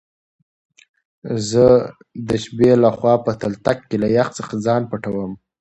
زه دشبی له خوا په تلتک کی له يخ ځخه ځان پټوم